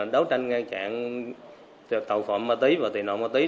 đấu tranh ngang chạm tàu phạm ma túy và tình nội ma túy